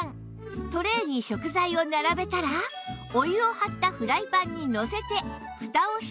トレーに食材を並べたらお湯を張ったフライパンにのせてふたをして加熱するだけ